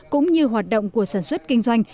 cũng như hoạt động của sản xuất kinh doanh